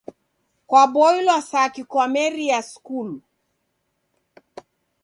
Kwaboilwa saki kwameria skulu?